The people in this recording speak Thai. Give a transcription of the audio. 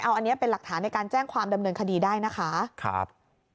อันนี้เป็นหลักฐานในการแจ้งความดำเนินคดีได้นะคะครับ